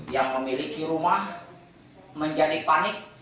yang memiliki rumah menjadi panik